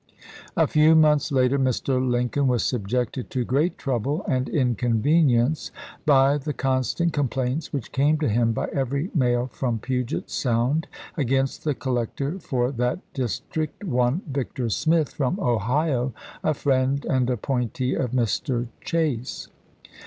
A few months later Mr. Lincoln was subjected to great trouble and inconvenience by the constant complaints which came to him by every mail from Puget Sound against the collector for that district, one Victor Smith, from Ohio, a friend and ap pointee of Mr. Chase.